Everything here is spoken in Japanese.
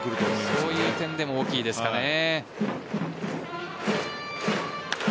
そういう点でも大きいですかね。